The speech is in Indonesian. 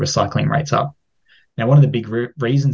nah salah satu alasan besar untuk itu adalah